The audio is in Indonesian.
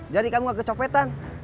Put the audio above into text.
jadi kamu gak kecopetan